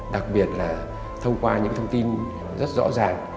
đặc biệt là thông qua những thông tin rất rõ ràng